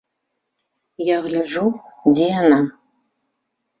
Я гляджу, дзе яна.